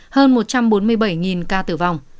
hơn một trăm bốn mươi bảy ca tử vong